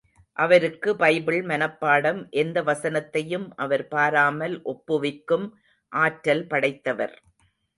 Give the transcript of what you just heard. அவருக்கு பைபிள் மனப்பாடம் எந்த வசனத்தையும் அவர் பாராமல் ஒப்புவிக்கும் ஆற்றல் படைத்தவர்.